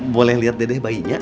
boleh lihat dedek bayinya